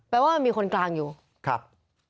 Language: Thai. ว่ามันมีคนกลางอยู่ครับ